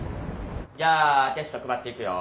じゃあテスト配っていくよ。